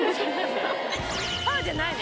パーじゃないの？